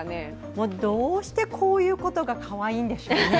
もう、どうしてこういうことがかわいいんでしょうね。